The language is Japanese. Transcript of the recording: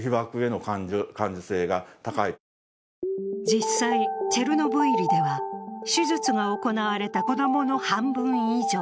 実際チェルノブイリでは手術が行われた子供の半分以上、